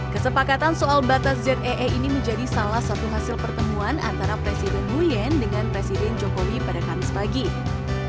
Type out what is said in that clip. kesepakatan soal batas zee ini menjadi salah satu hasil pertemuan antara presiden nguyen dengan presiden jokowi pada kamis pagi